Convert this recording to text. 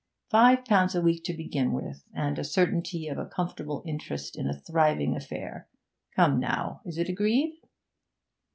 Five pounds a week to begin with, and a certainty of a comfortable interest in a thriving affair! Come, now, is it agreed?'